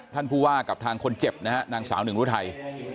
ผู้ว่ากับทางคนเจ็บนะฮะนางสาวหนึ่งรุทัย